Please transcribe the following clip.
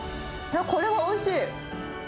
これはおいしい。